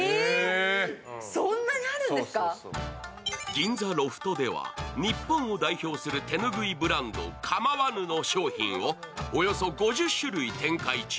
銀座ロフトでは日本を代表する手拭いブランド、かまわぬの商品をおよそ５０種類展開中。